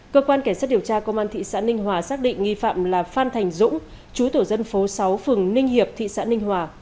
cơ quan cảnh sát điều tra công an thị xã ninh hòa xác định nghi phạm là phan thành dũng chú tổ dân phố sáu phường ninh hiệp thị xã ninh hòa